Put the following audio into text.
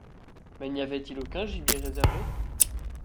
Mais n’y avait-il aucun gibier réservé?